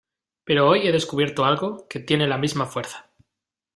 pero hoy he descubierto algo que tiene la misma fuerza.